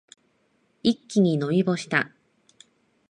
一気に飲み干した。